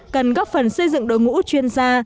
cần góp phần xây dựng đội ngũ chuyên gia